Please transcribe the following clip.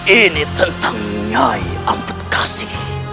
ini tentang nyai ampetkasi